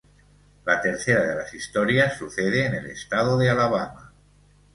La tercera de las historias sucede en el estado de Alabama.